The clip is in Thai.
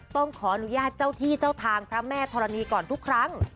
ต้องขออนุญาตเจ้าที่เจ้าทางพระแม่ธรณีก่อนทุกครั้ง